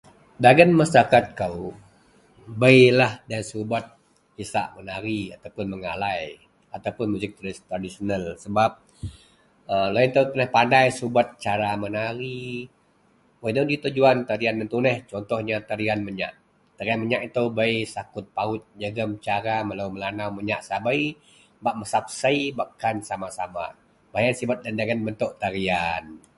Dagen masarakat kou bei lah loyen subet isak menari atau mengalai ataupuon musik tradisional sebab lau ito tuneh padai subet cara menari wak ino ji tujuwan, tujuwan iyen tuneh contoh siyen tariyan menyak, tariyan menyak ito bei sakut pawut jegem cara melo melanau menyak sabei bak mesap sei bak kan sama-sama beh iyen sibet a iyen dagen bentok tariyan.